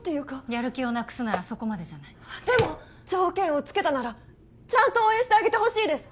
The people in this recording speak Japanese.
やる気をなくすならそこまでじゃないでも条件をつけたならちゃんと応援してあげてほしいです